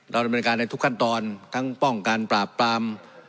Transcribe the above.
ดำเนินการในทุกขั้นตอนทั้งป้องกันปราบปราม